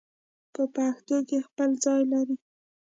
په پښتو کې خپل ځای لري